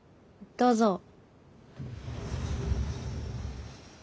どうぞ。